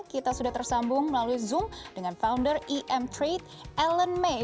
kita sudah tersambung melalui zoom dengan founder em trade ellen may